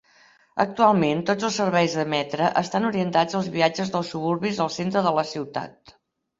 Actualment tots els serveis de Metra estan orientats als viatges dels suburbis al centre de la ciutat.